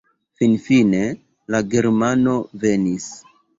Finfine la germano venis.